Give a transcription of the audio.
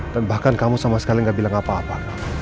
dan bahkan kamu sama sekali gak bilang apa apa